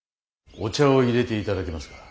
お茶をいれて頂けますか。